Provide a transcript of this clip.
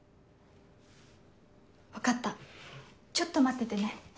分かったちょっと待っててね。